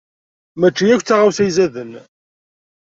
Mačči akk d taɣawsa izaden.